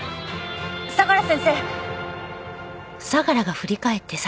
相良先生！